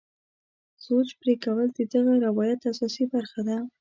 سوچ پرې کول د دغه روایت اساسي برخه ده.